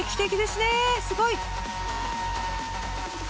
すごい！